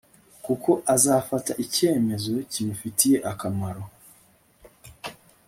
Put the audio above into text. kuko azafata icyemezo kimufitiye akamaro